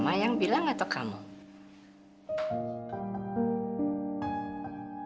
maka itu adalah perangkat awal dari bipolar trust